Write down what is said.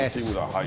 はい。